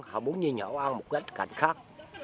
họ muốn nhìn hội an một cách cạnh khác